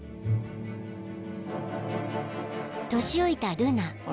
［年老いたルナ］